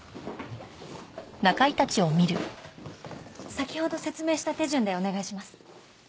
先ほど説明した手順でお願いします。